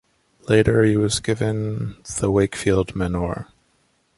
Later he was given the Wakefield manor.